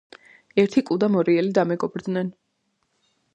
ერთი კუ და მორიელი დამეგობრდნენ